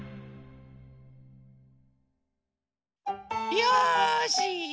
よし！